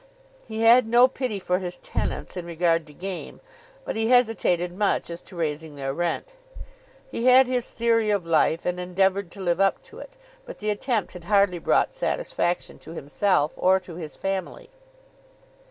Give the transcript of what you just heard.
He had no pity for his tenants in regard to game, but he hesitated much as to raising their rent. He had his theory of life and endeavoured to live up to it; but the attempt had hardly brought satisfaction to himself or to his family.